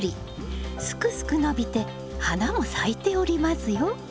すくすく伸びて花も咲いておりますよ。